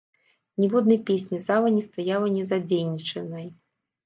Ніводнай песні зала не стаяла незадзейнічанай.